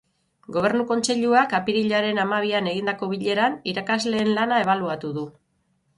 Gobernu Kontseiluak, apirilaren hamabian egindako bileran, irakasleen lana ebaluatu du.